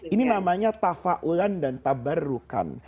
ini namanya tafaulan dan tabarukan